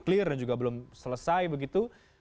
clear dan juga belum selesai begitu